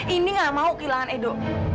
ini gak mau kehilangan edo